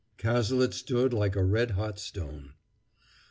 Cazalet stood like a red hot stone.